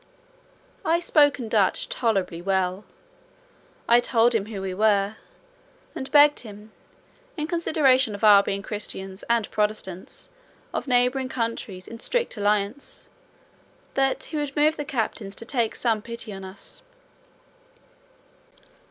I spoke Dutch tolerably well; I told him who we were, and begged him, in consideration of our being Christians and Protestants, of neighbouring countries in strict alliance, that he would move the captains to take some pity on us.